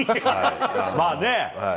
まあね。